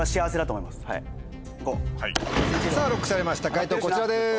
解答こちらです。